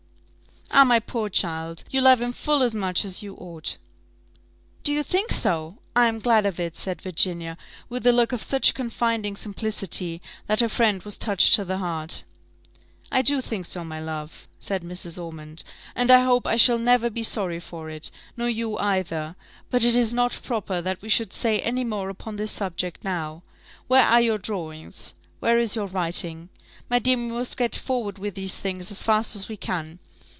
"Ah, my poor child! you love him full as much as you ought." "Do you think so? I am glad of it," said Virginia, with a look of such confiding simplicity, that her friend was touched to the heart. "I do think so, my love," said Mrs. Ormond; "and I hope I shall never be sorry for it, nor you either. But it is not proper that we should say any more upon this subject now. Where are your drawings? Where is your writing? My dear, we must get forward with these things as fast as we can.